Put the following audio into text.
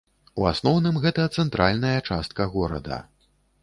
У асноўным гэта цэнтральная частка горада.